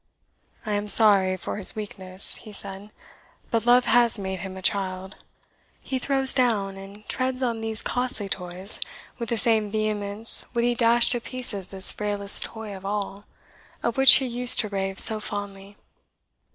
"I am sorry for his weakness," he said, "but love has made him a child. He throws down and treads on these costly toys with the same vehemence would he dash to pieces this frailest toy of all, of which he used to rave so fondly.